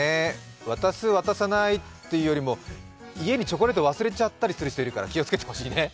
渡す、渡さないっていうよりも、家にチョコレート忘れちゃう人がいるから気をつけてほしいね。